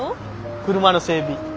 車の整備。